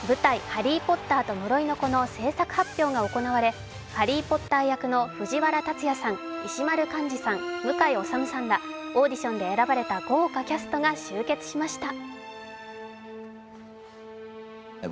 「ハリー・ポッターと呪いの子」の制作発表が行われハリー・ポッター役の藤原竜也さん石丸幹二さん、向井理さんらオーディションで選ばれた豪華キャストが集結しました。